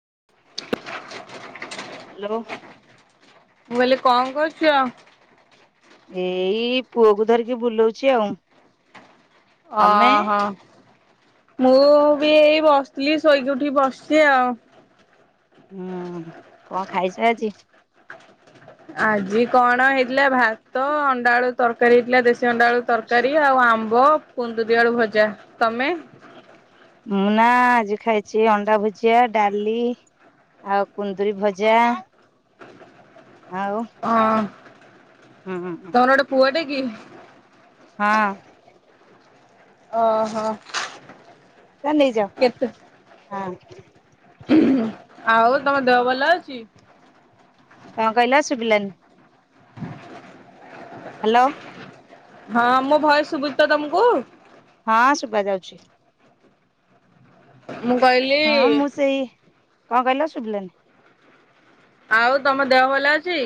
[unintelligible] Hello. ମୁଁ କହିଲି କଣ କରୁଚ। ଏଇ ପୁଅକୁ ଧରିକି ବୁଲଉଚି ଆଉ। ଓ ତମେ? ହୋ। ମୁଁ ବି ଏଇ ବସିଥିଲି ଶୋଇକି ଉଠିକି ବସିଚି ଆଉ। ହୁଁ କଣ ଖାଇଚ ଆଜି। ଆଜି କଣ ହେଇଥିଲା। ଭାତ ଅଣ୍ଡା ଆଳୁ ତରକାରୀ ହେଇଥିଲା। ଦେଶୀ ଅଣ୍ଡା ଆଳୁ ତରକାରୀ ଆଉ ଆମ୍ବ କୁନ୍ଦୁରି ଆଳୁ ଭଜା ତମେ? ମୁଁ ନା ଆଜି ଖାଇଚି ଅଣ୍ଡା ଭୁଜିଆ ଡାଲି ଆଉ କୁନ୍ଦୁରି ଭଜା। ଆଉ ହଁ ହୁଁ ହୁଁ ତମର ଗୋଟେ ପୁଅଟେ କି? ହଁ। ଓ ହୋ। ତା ନେଇଯାଅ ହଁ। ହୁଁ ଆଉ ତମ ଦେହ ଭଲ ଅଛି। କଁ କହିଲ ଶୁବିଲାନି। ହ ହାଲୋ। ହଁ ମୋ ଭୟସ ଶୁବୁଚିତ ତମକୁ? ହଁ ଶୁବା ଯାଉଚି। ମୁଁ କହିଲି କଁ କହିଲ ଶୁବିଲାନି। ଆଉ ତମ ଦେହ ଭଲ ଅଛି।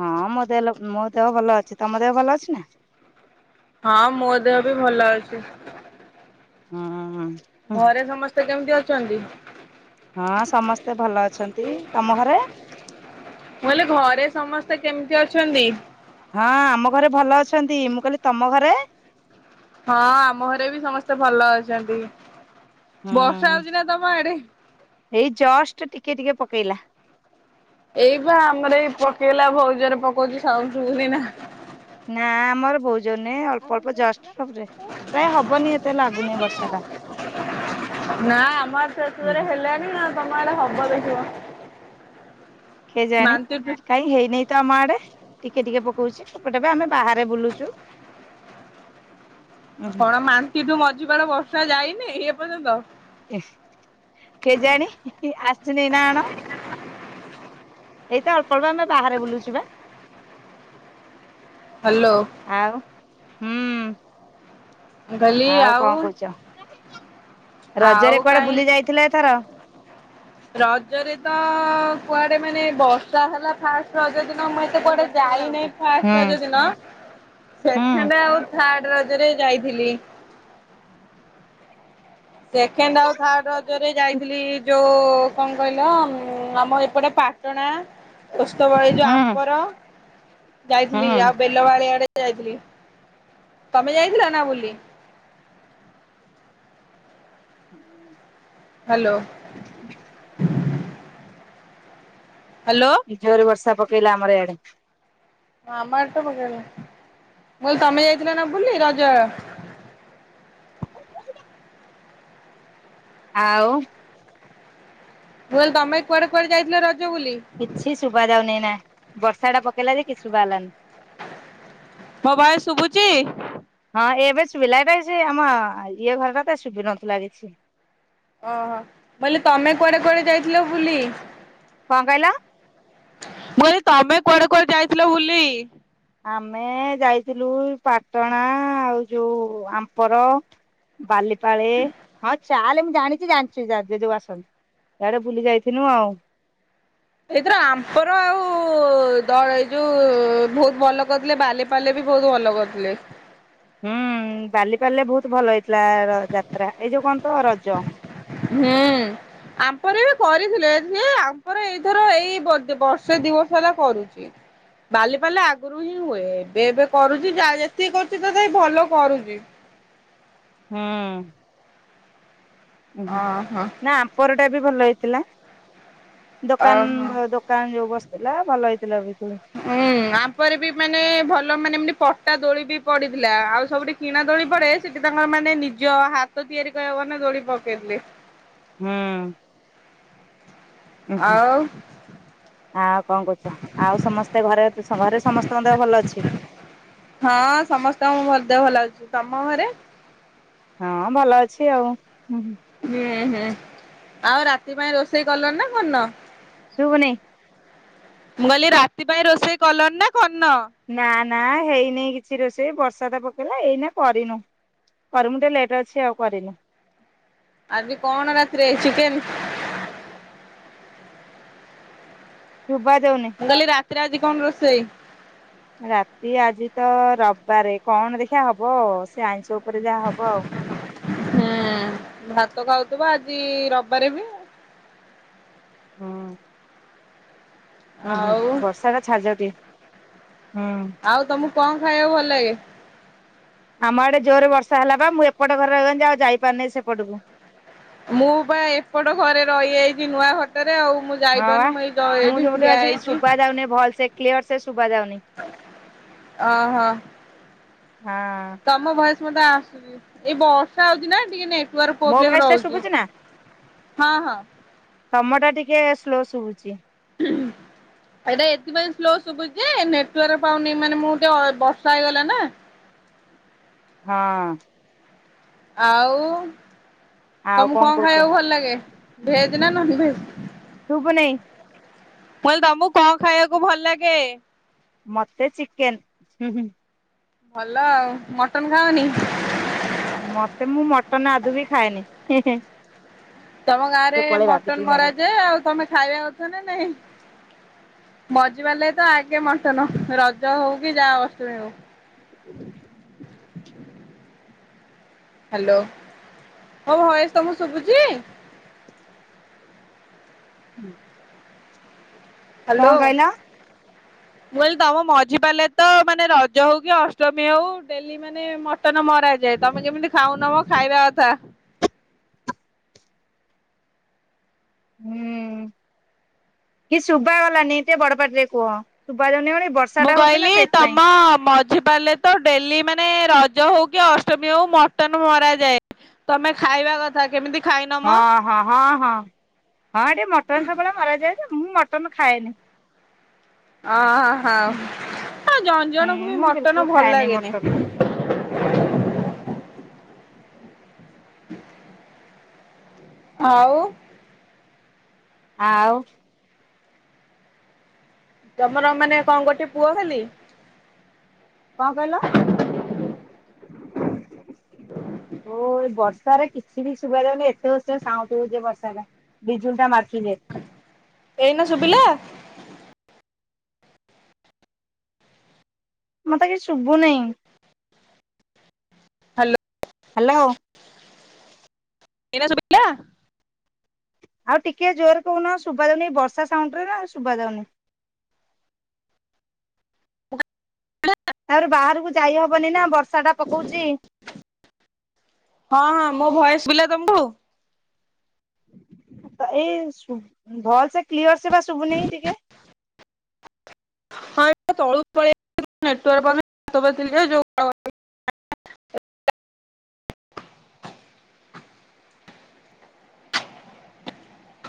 ହଁ ମୋ ଦେହ ଲ ମୋ ଦେହ ଭଲ ଅଛି ତମ ଦେହ ଭଲ ଅଛି ନା। ହଁ ମୋ ଦେହ ବି ଭଲ ଅଛି। ହୁଁ। ଘରେ ସମସ୍ତେ କେମିତି ଅଛନ୍ତି। ହଁ ସମସ୍ତେ ଭଲ ଅଛନ୍ତି। ତମ ଘରେ? ମୁଁ କହିଲି ଘରେ ସମସ୍ତେ କେମିତି ଅଛନ୍ତି। ହଁ ଆମ ଘରେ ଭଲ ଅଛନ୍ତି। ମୁଁ କହିଲି ତମ ଘରେ? ହଁ ଆମ ଘରେ ବି ସମସ୍ତେ ଭଲ ଅଛନ୍ତି। ହୁଁ ବର୍ଷା ହଉଛି ନା ତମ ଆଡେ? ଏଇ ଜଷ୍ଟ ଟିକେ ଟିକେ ପକେଇଲା। ଏଇ ବା ଆମର ଏଇ ପକେଇଲା ବହୁତ ଜୋରରେ ପକଉଛି ସାଉଣ୍ଡ ଶୁଭୁଛି ନା? ନା ଆମର ବହୁତ ଜନେ ଅଳ୍ପ ଅଳ୍ପ ଜଷ୍ଟବରେ ପ୍ରାୟ ହବନି ଏତେ ଲାଗୁନି ବର୍ଷା ସେଟା। ନା ଆମର ସେତୁରେ ହେଲେଣି ନା ତମ ଏଡ ହବ ଦେଖିବ। କେଜାଣି ମାନ୍ତିଠୁ କାଇଁ ହେଇନାଇ ତ ଆମ ଆଡେ ଟିକେ ଟିକେ ପକଉଛି ସେପଟେ ବି ଆମେ ବାହାରେ ବୁଲୁଛୁ। କଣ ମାଁନ୍ତିତୁ ମଝିବାର ବର୍ଷା ଯାଇନି ଏ ପର୍ଯ୍ୟନ୍ତ। କେଜାଣୀ ଆସନି ନା ଆଣ। ଏଇତ ଅଳ୍ପ ଅଳ୍ପ ଆମେ ବାହାରେ ବୁଲୁଛ ବା। ହ୍ୟାଲୋ। ଆଉ ହୁଁ। ମୁଁ କହିଲି ଆଉ କଣ କହୁଛ ଆଉ ରଜରେ କୁଆଡେ କାଇଁ ବୁଲି ଯାଇଥିଲେ ଏଥର? ରଜରେ ତ କୁଆଡେ ମାନେ ବର୍ଷା ହେଲା ଫାଷ୍ଟ ରଜ ଦ ମୁଁ ଏତେ ହୁଁ କୁଆଡେ ଯାଇନହି ହୁଁ ଫାଷ୍ଟ ରଜ ଦିନ ସେକେଣ୍ଡ ଆଉ ର୍ଥାଡ ରଜଦିନ ରେ ଯାଇଥିଲି। ସେକେଣ୍ଡ ଆଉ ଥାର୍ଡ ରଜରେ ଯାଇଥିଲି ଯୋଉ ତ କଣ କହିଲ ଉ ଆମ ଏପଟେ ପାଟଣା ଓସ୍ତପାଳ ଯୋଉ ହୁଁ ଆମ୍ପର। ଯାଇଥିଲି ହୁଁ ଆଉ ବେଲବାଳିଆଡେ ତମେ ଯାଇଥିଲ ନା ବୁଲି? ହୁଁ। ହ୍ୟାଲୋ। ହ୍ୟାଲୋ। ଜୋର ବର୍ଷା ପକେଇଲା ଆମରଆଡେ। ହଁ ଆମ ଆଡେ ତ ପକେଇଲାଣି। ମୁଁ କହିଲି ତମେ ଯାଇଥିଲ ନା ବୁଲି ରଜ ଆଉ। ମୁଁ କହିଲି ତମେ କୁଆଡେ କୁଆଡେ ଯାଇଥିଲ ରଜ ବୁଲି? କିଛି ଶୁଭା ଯାଉନି ନା ବର୍ଷା ଟା ପକେଇଲା ଯେ କିଛି ଶୁଭା ହେଲାନି। ମୋ ଭଏସ ଶୁଭୁଛି? ହଁ ଏବେ ଶୁଭିଲା ଏଟା ସେ ଆମ ଇଏ ଘରଟା ତ ଶୁଭିନଥିଲା କିଛି। ଓହୋ ବୋଇଲେ ତମେ କୁଆଡେ କୁଆଡେ ଯାଇଥିଲ ବୁଲି? କଣ କହିଲ? ମୁଁ ତମେ କୁଆଡେ କୁଆଡେ ଯାଇଥିଲ ବୁଲି? ଆମେ ଯାଇଥିଲୁ ପାଟଣା ଆଉ ଯଉଁ ଆମ୍ପର। ବାଲିପାଳେ ହଁ ଚାଲେ ମୁ ଜାଣିଛି ଜାଣିଛୁ ଯୋଉ ଆସନ୍ତି ସେଇଆଡେ ବୁଲି ଯାଇଥିଲୁ ଆଉ। ଏଇଥର ଆମ୍ପର ଆଉ ଦ ଏଇ ଯୋଉ ବହୁତ ଭଲ କରିଥିଲେ ବାଲିପାଳେ ବି ବହୁତ ଭଲ କରିୁଥିଲେ। ହୁଁ ବାଲିପାଳିରେ ବହୁତ ଭଲ ହେଇଥିଲା ଯାତ୍ରା ଏଇ ଯୋଉ କଣ ତ ରଜ। ହୁଁ। ଆପରେ ଯେ କରିଥିଲେ ଆମପରେ ଏଇଥର ଏଇ ବର୍ଷେ ଦିବର୍ଷ ହେଲା କରୁଚି ବାଲି ପାଲା ଆଗରୁ ହିଁ ହୁଏ। ଏବେ ଏବେ କରୁଛି ଯା ଯେତିକି କରୁଛି ତଥାପି ଭଲ କରୁଚି। ହଁ। ଓହୋ ନା ଆମ୍ପର ଟା ବି ଭଲ ହେଇଥିଲା। ଦୋକାନ ଓହୋ। ଭ ଦୋକାନ ଯୋଉ ବସିଥିଲା ଭଲ ହେଇଥିଲା ବି ହୁଁ ଆପରେ ବି ମାନେ ଭଲ ମାନେ ଏମନ୍ତି କଟା ଦୋଳି ବି ପଡିଥିଲା। ଆଉ ସବୁଠି କିଣା ଦୋଳି ପରେ ସେଠି ତାଙ୍କର ମାନେ ନିଜ ହାତ ତିଆରି କରିବାକୁ ଗଲେ ଦୋଳି ପକେଇ ଥିଲେ ହୁଁ। ଆଉ ଆଉ କଣ କରୁଛ? ଆଉ ସମସ୍ତେ ଘରେ ସ ଘରେ ସମସ୍ତଙ୍କ ଦେହ ଭଲ ଅଛି। ହଁ ସମସ୍ତଙ୍କୁ ଭଲଦ ତମ ଘରେ? ହଁ ଭଲ ଅଛି ଆଉ। ହୁଁ ହୁଁ ଆଉ ରାତି ପାଇଁ ରୋଷେଇ କଲଣି ନା କରିନ? ଶୁଭୁନି। ମୁଁ କହିଲି ରାତି ପାଇଁ ରୋଷେଇ କଲଣି ନା କରିନ? ନା ନା ହେଇନେଇ କିଛି ରୋଷେଇ ବର୍ଷା ତ ପକେଇଲା ଏଇନା କରିନୁ। କରି ମୁଁ ଟିକେ ଲେଟ୍ ରେ ଅଛି ଆଉ କରିନୁ। ଆଜି କଣ ରାତିରେ ଚିକେନ୍? ଶୁଭା ଯାଉନି ମୁଁ କହିଲି ରାତିରେ ଆଜି କଣ ରୋଷେଇ? ରାତିରେ ଆଜି ତ ରବବାରେ କଣ ଦେଖିଇଆ ହବ ସେ ଆଇଁଷ ଉପ ପରେ ଯାହା ହବ ଆଉ। ଥିବ ଆଜି ରବିବାରେ ବି। ହୁଁ ହୁଁ ଆଉ ବର୍ଷାଟା ଛାଡି ଯାଉ ଟିକେ। ହୁଁ। ଆଉ ତମକୁ କଣ ଖାଇବାକୁ ଭଲ ଲାଗେ? ଆମ ଆଡ଼େ ଜୋରେ ବର୍ଷା ହେଲା ବା ମୁଁ ଏପଟ ଘରେ [unintelligible] ଆଉ ଯାଇପାରୁ ନେଇ ସେପଟକୁ। ମୁଁ ବା ଏପଟ ଘରେ ରହିଯାଇଛି ନୂଆ ଘରଟା ରେ ଆଉ ମୁଁ ହଁ ବା। ଯାଇପାରୁନି ମୁଁ ଏଇ ଦ ମୁଁ ଏଇଠି ଯୋଉଠି ଠିଆ ଅଛି ହେଇଚି। ଶୁଭା ଯାଉନି ଭଲ ସେ କ୍ଲିୟର ସେ ଶୁଭା ଯାଉନି ଅ ହୋ। ହଁ। ତମ ଭଏସ୍ ମତେ ଆସୁନି ଏଇ ବର୍ଷା ହଉଛି ନା ଟିକେ ନେ ଟୱାର୍କ ମୋ ପ୍ରୋବ୍ଲେମ୍ ଭଏସ ଟା ରହୁଚି, ଶୁଭୁଛି ନା ହଁ ହଁ। ତମର ଟିକେ ସ୍ଲୋ ଶୁଭୁଛି। ଉଁହୁ। ଏଇଟା ଏଥିପାଇଁ ସ୍ଲୋ ଶୁଭୁଚି ନେଟୱାର୍କ ପାଉନି ମାନେ ମୁଁ ଅ ଟିକେ ବର୍ଷା ହେଇଗଲା ନା। ହଁ। ଆଉ ଆଉ ତମକୁ କଣ କହୁଛ ଖାଇବାକୁ ଭଲ ଲାଗେ ଭେଜ୍ ନା ନନଭେଜ୍? ଶୁଭୁ ନେଇ। ମୁଁ କହିଲି ତମକୁ କଣ ଖାଇବାକୁ ଭଲ ଲାଗେ? ମତେ ଚିକେନ୍ ହୁଁ ହୁଁ। ଭଲ ଆଉ, ମଟନ ଖାଅନି? ମତେ ମୁଁ ମଟନ ଆଦୌ ବି ଖାଏନି ହେଁ ହେଁ। ତମ ଗାଁରେ ଯୋଉ ପଳେଇବା ମଟନ ବିଜୁଳି ମାଇଲେ ମରାଯାଏ ଆଉ ତମେ ଖାଇବା କଥା ନା ନାହିଁ। ମଝି ବାରିଲେ ତ ଆଗେ ମଟନ ରଜ ହଉ କି ଯାହା ଅଷ୍ଟମୀ ହଉ। ହ୍ୟାଲୋ! ମୋ ଭଏସ୍ ତମକୁ ଶୁଭୁଚି? ହୁଁ। କଁ ହ୍ୟାଲୋ। କହିଲ? ମୁଁ କହିଲି ତମ ମଝି ପାରିଲେ ତ ମାନେ ରଜ ହଉ କି ଅଷ୍ଟମୀ ହଉ ଡେଲି ମାନେ ମଟ ଟନ ମରାଯାଏ ତମେ ଯେମତି ଖାଉନ ବ ଖାଇବା କଥା। ହୁଁ କିଛି ଶୁଭ ଗଲାନି ଟିକେ ବଡ ପାଟିରେ କୁହ ଶୁଭା ଯାଉନି ମାନେ ବର୍ଷା ମୁଁ ଟା ହଉଛି କହିଲି ନା ସେଇଥିପାଇଁ ତମ ମଝି ବାରଲେ ତ ଡେଲି ମାନେ ରଜ ହଉ କି ଅଷ୍ଟମୀ ହଉ ମଟନ ମରାଯାଏ ତମେ ଖାଇବା କଥା, କେମିତି ଖାଇନ ମ? ହଁ ହଁ ହଁ ହଁ ହଁ ଏଠି ମଟନ୍ ସବୁବେଳେ ମରାଯାଏ ଯେ ମୁଁ ମ ଟନ୍ ମୁଁ ଖାଏନି। ଅ ହ ଜଣ ଜଣଙ୍କୁ ବି ହୁଁ ମୁଁ ମଟନ ବିଲକୁଲ ଭଲ ଖାଏନି ଲାଗେନି। ମଟନ ଆଉ ଆଉ ତମର ମାନେ କଣ ଗୋଟେ ପୁଅ ଖାଲି? କଣ କହିଲ ଓ ବର୍ଷ ବର୍ଷାରେ କିଛି ବି ଶୁଭାଯାଉନି ଏତେ ଜୋରରେ ସାଉଣ୍ଡ ହଉଛି ବର୍ଷା ଟା ବିଜୁଳି ଟା ମା ଏଇନା ଶୁଭିଲା। ମତେ କିଛି ଶୁଭୁନି। ହ୍ୟାଲୋ। ହ୍ୟାଲୋ। ଏନା ଶୁଭିଲା? ଆଉ ଟିକେ ଜୋରେ କହୁନ ଶୁଭ ଯାଉନି ବର୍ଷା ସାଉଣ୍ଡରେ ନା ଶୁଭ ଯାଉନି। ତାପରେ ବାହାରକୁ ଯାଇ ହବନି ନା ବର୍ଷା ଟା ପକଉଛି। ହଁ ହଁ ମୋ ଭଏସ ଶୁଭିଲା ତମକୁ? ଏଇ ଶୁ ଭଲସେ କ୍ଲିଅରସେ ବା ଶୁଭୁନେଇ ଟିକେ। ହଁ ତଳ ପଳି ଆସିଲ ନେଟୱକ ପାଉନି [inaudible]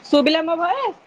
ଶୁଭିଲା ମୋ ଭଏସ?